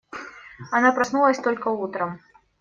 Она проснулась только утром.